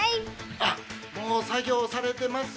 あっもう作業されてますよ。